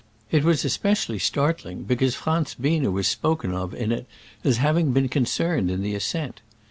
It was especially startling, because Franz Biener was spoken of in it as having been concerned in the ascent.